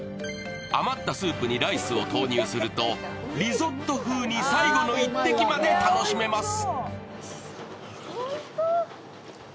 余ったスープにライスを投入するとリゾット風に最後の一滴まで楽しめます。